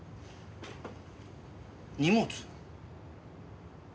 荷物？